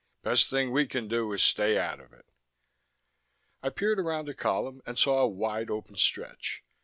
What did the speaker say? "Best thing we can do is stay out of it." I peered around a column and saw a wide open stretch.